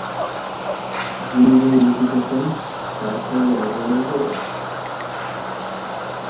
যিনি বই লিখিতেছেন তাঁর সঙ্গে রাগারাগি করো।